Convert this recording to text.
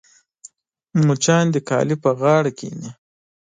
مچان د کالي پر غاړه کښېني